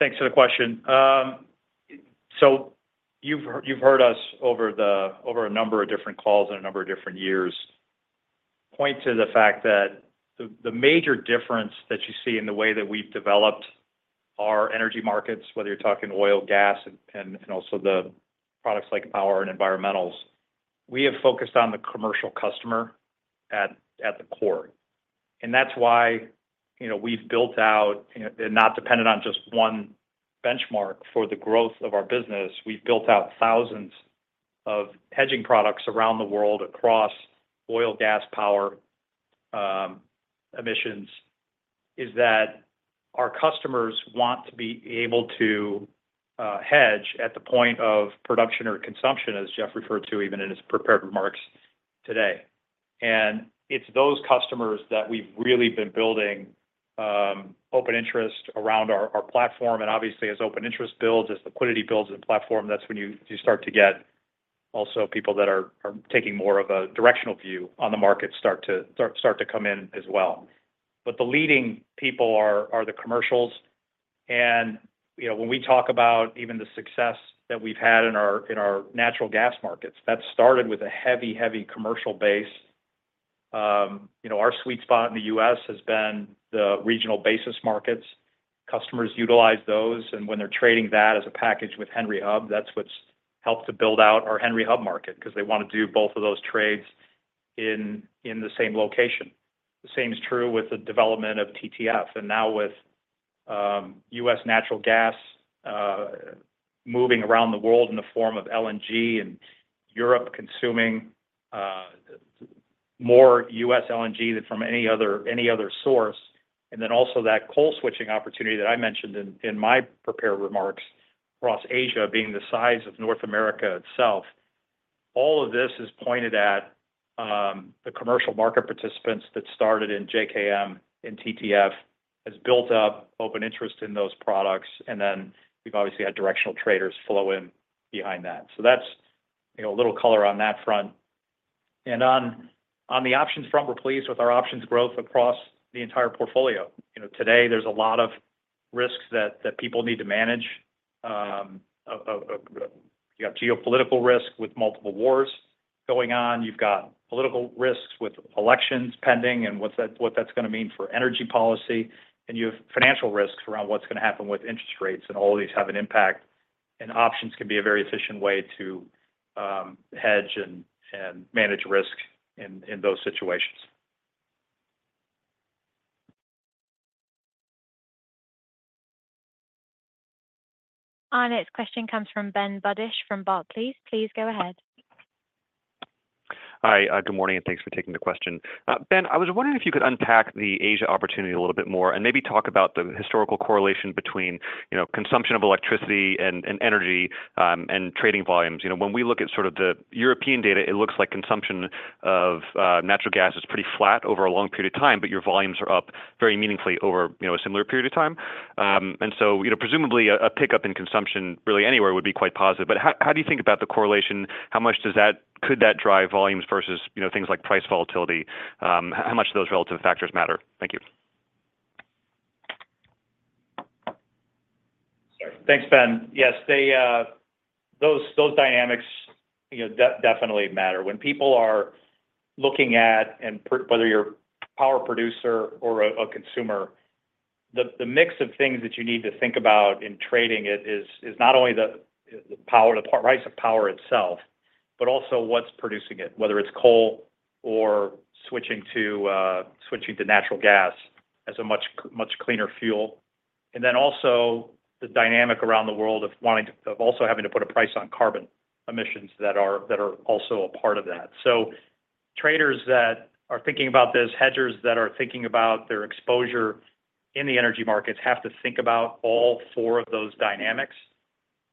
Thanks for the question. So you've heard, you've heard us over the- over a number of different calls in a number of different years, point to the fact that the, the major difference that you see in the way that we've developed our energy markets, whether you're talking oil, gas, and also the products like power and environmentals, we have focused on the commercial customer at the core. And that's why, you know, we've built out, you know, and not dependent on just one benchmark for the growth of our business. We've built out thousands of hedging products around the world, across oil, gas, power, emissions, is that our customers want to be able to hedge at the point of production or consumption, as Jeffrey referred to even in his prepared remarks today. And it's those customers that we've really been building open interest around our platform, and obviously, as open interest builds, as liquidity builds in the platform, that's when you start to get also people that are taking more of a directional view on the market, start to come in as well. But the leading people are the commercials, and, you know, when we talk about even the success that we've had in our natural gas markets, that started with a heavy, heavy commercial base. You know, our sweet spot in the U.S. has been the regional basis markets. Customers utilize those, and when they're trading that as a package with Henry Hub, that's what's helped to build out our Henry Hub market, because they want to do both of those trades in the same location. The same is true with the development of TTF, and now with U.S. natural gas moving around the world in the form of LNG and Europe consuming more U.S. LNG than from any other, any other source. And then also that coal switching opportunity that I mentioned in, in my prepared remarks across Asia, being the size of North America itself. All of this is pointed at the commercial market participants that started in JKM, in TTF, has built up open interest in those products, and then we've obviously had directional traders flow in behind that. So that's, you know, a little color on that front. And on, on the options front, we're pleased with our options growth across the entire portfolio. You know, today there's a lot of risks that, that people need to manage. You got geopolitical risk with multiple wars going on. You've got political risks with elections pending and what that, what that's going to mean for energy policy. You have financial risks around what's going to happen with interest rates, and all of these have an impact. Options can be a very efficient way to hedge and manage risk in those situations. Our next question comes from Ben Budish, from Barclays. Please go ahead. Hi. Good morning, and thanks for taking the question. Ben, I was wondering if you could unpack the Asia opportunity a little bit more and maybe talk about the historical correlation between, you know, consumption of electricity and energy, and trading volumes. You know, when we look at sort of the European data, it looks like consumption of natural gas is pretty flat over a long period of time, but your volumes are up very meaningfully over, you know, a similar period of time. And so, you know, presumably a pickup in consumption really anywhere would be quite positive. But how do you think about the correlation? How much could that drive volumes versus, you know, things like price volatility? How much do those relative factors matter? Thank you. Thanks, Ben. Yes, they, those dynamics, you know, definitely matter. When people are looking at, and whether you're a power producer or a consumer, the mix of things that you need to think about in trading it is not only the power, the price of power itself, but also what's producing it, whether it's coal or switching to natural gas as a much cleaner fuel. And then also the dynamic around the world of wanting to of also having to put a price on carbon emissions that are also a part of that. So traders that are thinking about this, hedgers that are thinking about their exposure in the energy markets, have to think about all four of those dynamics.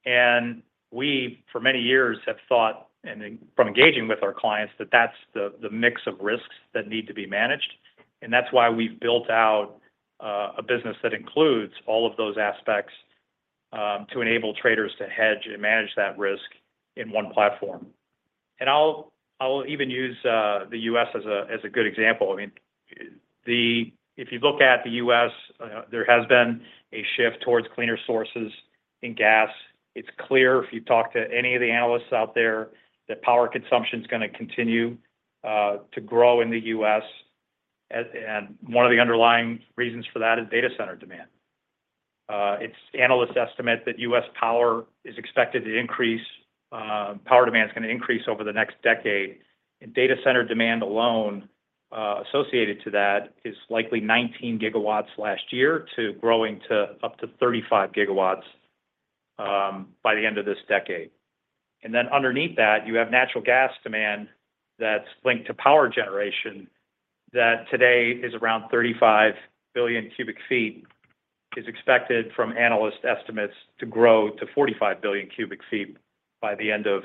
And we, for many years, have thought, and then from engaging with our clients, that that's the mix of risks that need to be managed, and that's why we've built out a business that includes all of those aspects to enable traders to hedge and manage that risk in one platform. And I'll even use the U.S. as a good example. I mean, if you look at the U.S., there has been a shift towards cleaner sources in gas. It's clear, if you talk to any of the analysts out there, that power consumption is going to continue to grow in the U.S., as, and one of the underlying reasons for that is data center demand. It's... Analysts estimate that U.S. power is expected to increase, power demand is going to increase over the next decade. Data center demand alone, associated to that, is likely 19 gigawatts last year, to growing to up to 35 gigawatts, by the end of this decade. And then underneath that, you have natural gas demand that's linked to power generation, that today is around 35 billion cubic feet, is expected, from analyst estimates, to grow to 45 billion cubic feet by the end of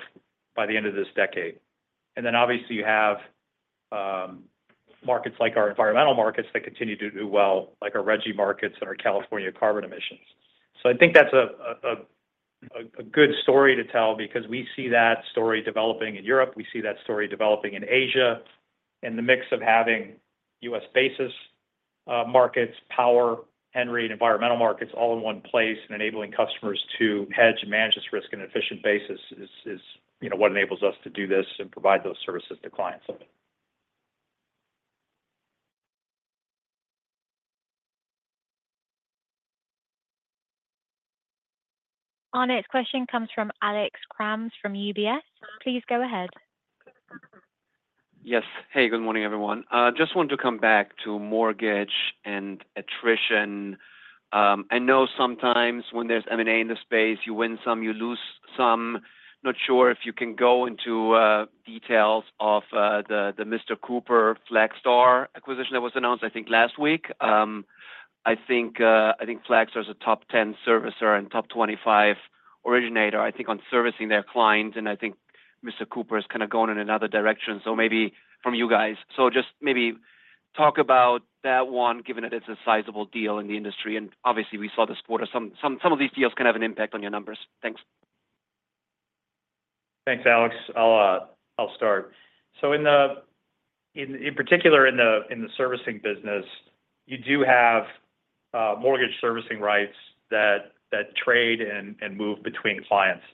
this decade. And then, obviously, you have markets like our environmental markets that continue to do well, like our RGGI markets and our California carbon emissions. So I think that's a good story to tell, because we see that story developing in Europe, we see that story developing in Asia.The mix of having U.S. basis markets, power, Henry, and environmental markets all in one place and enabling customers to hedge and manage this risk in an efficient basis is, you know, what enables us to do this and provide those services to clients. Our next question comes from Alexander Kramm, from UBS. Please go ahead. Yes. Hey, good morning, everyone. Just want to come back to mortgage and attrition. I know sometimes when there's M&A in the space, you win some, you lose some. Not sure if you can go into details of the Mr. Cooper, Flagstar acquisition that was announced, I think, last week. I think Flagstar is a top 10 servicer and top 25 originator, I think, on servicing their clients, and I think Mr. Cooper is kind of going in another direction. So maybe from you guys. So just maybe talk about that one, given that it's a sizable deal in the industry, and obviously, we saw the support of some of these deals can have an impact on your numbers. Thanks. Thanks, Alexander. I'll start. So in particular, in the servicing business, you do have mortgage servicing rights that trade and move between clients...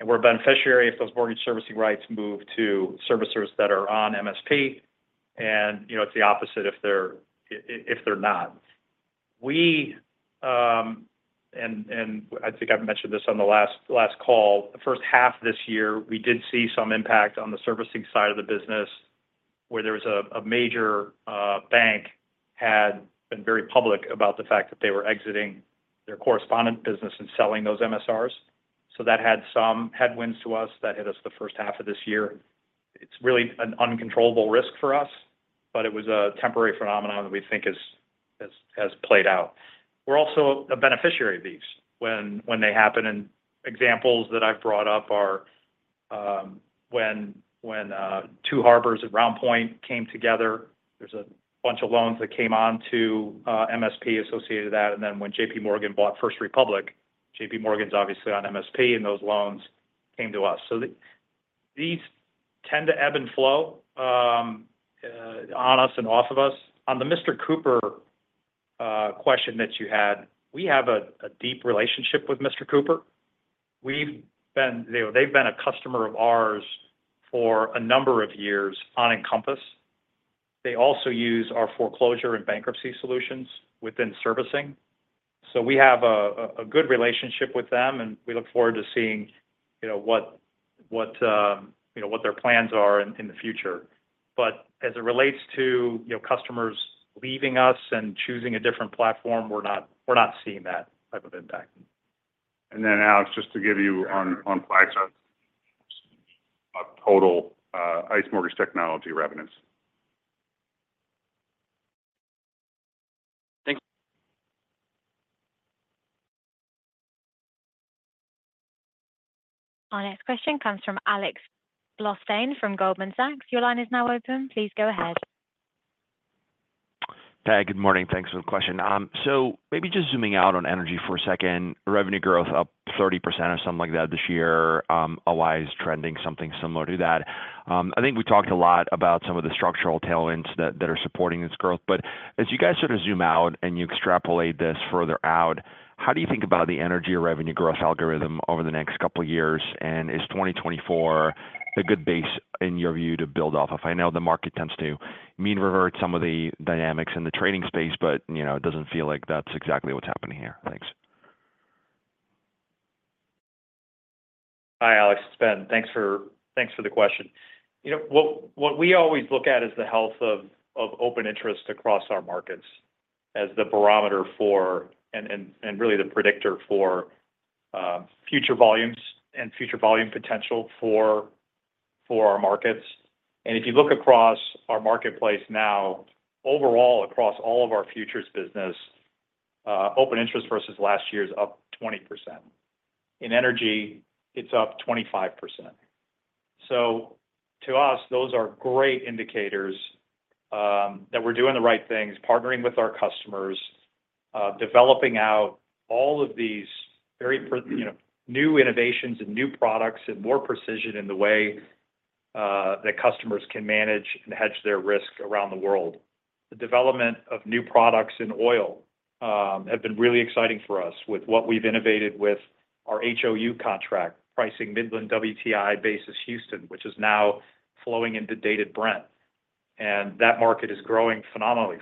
and we're a beneficiary if those mortgage servicing rights move to servicers that are on MSP, and you know, it's the opposite if they're not. And I think I've mentioned this on the last call, the first half of this year, we did see some impact on the servicing side of the business, where there was a major bank had been very public about the fact that they were exiting their correspondent business and selling those MSRs. So that had some headwinds to us that hit us the first half of this year. It's really an uncontrollable risk for us, but it was a temporary phenomenon that we think is, has played out. We're also a beneficiary of these when they happen, and examples that I've brought up are when Two Harbors and RoundPoint came together, there's a bunch of loans that came on to MSP associated to that. And then when JPMorgan bought First Republic, JPMorgan's obviously on MSP, and those loans came to us. So these tend to ebb and flow on us and off of us. On the Mr. Cooper question that you had, we have a deep relationship with Mr. Cooper. They've been a customer of ours for a number of years on Encompass. They also use our foreclosure and bankruptcy solutions within servicing. So we have a good relationship with them, and we look forward to seeing, you know, what their plans are in the future. But as it relates to, you know, customers leaving us and choosing a different platform, we're not, we're not seeing that type of impact. Alexander, just to give you on total ICE Mortgage Technology revenues. Thanks. Our next question comes from Alexander Blostein, from Goldman Sachs. Your line is now open. Please go ahead. Hey, good morning. Thanks for the question. So maybe just zooming out on energy for a second, revenue growth up 30% or something like that this year, ICE is trending something similar to that. I think we talked a lot about some of the structural tailwinds that, that are supporting this growth. But as you guys sort of zoom out and you extrapolate this further out, how do you think about the energy or revenue growth algorithm over the next couple of years? And is 2024 a good base, in your view, to build off of? I know the market tends to mean revert some of the dynamics in the trading space, but, you know, it doesn't feel like that's exactly what's happening here. Thanks. Hi, Alexander, it's Ben. Thanks for the question. You know, what we always look at is the health of open interest across our markets as the barometer for, and really the predictor for future volumes and future volume potential for our markets. And if you look across our marketplace now, overall, across all of our futures business, open interest versus last year is up 20%. In energy, it's up 25%. So to us, those are great indicators that we're doing the right things, partnering with our customers, developing out all of these very, you know, new innovations and new products and more precision in the way that customers can manage and hedge their risk around the world. The development of new products in oil have been really exciting for us with what we've innovated with our HOU contract, pricing Midland WTI basis Houston, which is now flowing into Dated Brent. And that market is growing phenomenally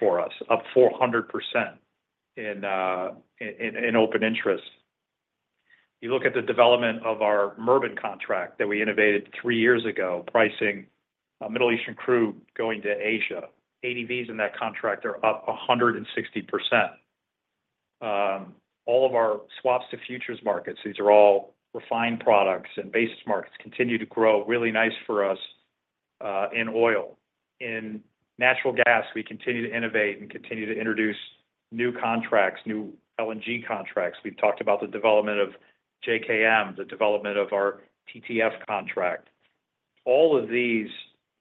for us, up 400% in open interest. You look at the development of our Murban contract that we innovated three years ago, pricing Middle Eastern crude going to Asia. ADVs in that contract are up 160%. All of our swaps to futures markets, these are all refined products, and basis markets continue to grow really nice for us in oil. In natural gas, we continue to innovate and continue to introduce new contracts, new LNG contracts. We've talked about the development of JKM, the development of our TTF contract. All of these,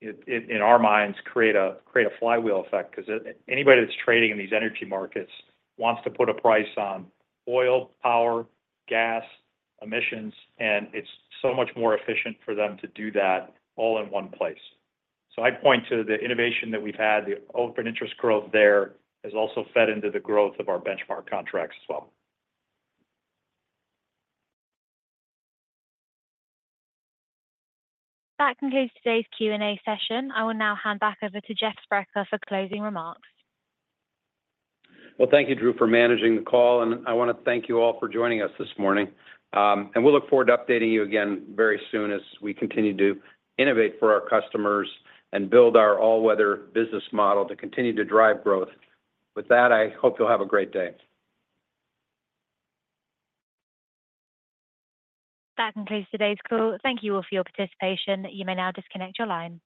in our minds, create a flywheel effect, because anybody that's trading in these energy markets wants to put a price on oil, power, gas, emissions, and it's so much more efficient for them to do that all in one place. So I point to the innovation that we've had, the open interest growth there, has also fed into the growth of our benchmark contracts as well. That concludes today's Q&A session. I will now hand back over to Jeffrey Sprecher for closing remarks. Well, thank you, Drew, for managing the call, and I want to thank you all for joining us this morning. We'll look forward to updating you again very soon as we continue to innovate for our customers and build our all-weather business model to continue to drive growth. With that, I hope you'll have a great day. That concludes today's call. Thank you all for your participation. You may now disconnect your line.